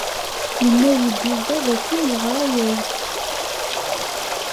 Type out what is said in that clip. Yenna-iyi-d Yuba dakken yeɣra-ak-d.